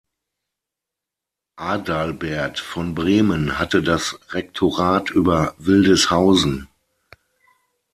Adalbert von Bremen hatte das Rektorat über Wildeshausen.